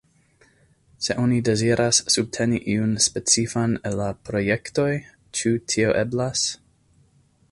Se oni deziras subteni iun specifan el la projektoj, ĉu tio eblas?